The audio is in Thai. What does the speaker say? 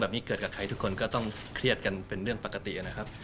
กับใครทุกคนก็ต้องเครียดกันเป็นเรื่องปกตินะครับ